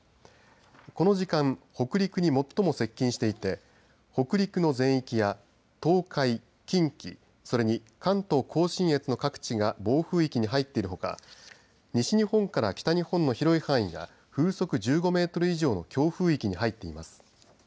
この時間北陸に最も接近していて北陸の全域や東海、近畿それに関東甲信越の各地が暴風域に入っているほか西日本から北日本の広い範囲が風速１５メートル以上の強風域に入っています。